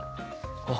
あ！